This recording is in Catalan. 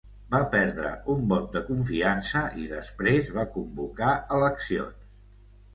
Va perdre un vot de confiança i després va convocar eleccions.